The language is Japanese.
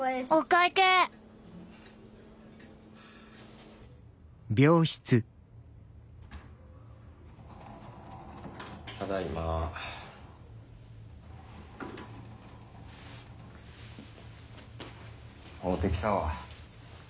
会うてきたわ。